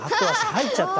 入っちゃった。